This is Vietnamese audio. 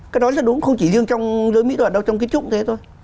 cái đó là đúng không chỉ riêng trong giới mỹ thuật đâu trong cái trung thế thôi